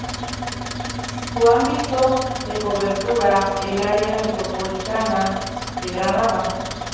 Su ámbito de cobertura el Área Metropolitana de Granada.